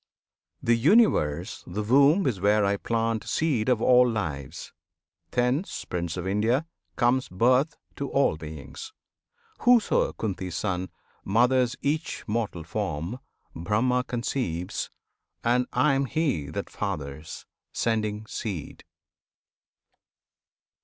This Universe the womb is where I plant Seed of all lives! Thence, Prince of India, comes Birth to all beings! Whoso, Kunti's Son! Mothers each mortal form, Brahma conceives, And I am He that fathers, sending seed!